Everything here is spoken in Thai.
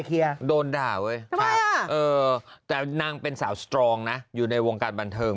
เคลียร์โดนด่าเว้ยทำไมเอ่อแต่นางเป็นสาวนะอยู่ในวงการบันเทิง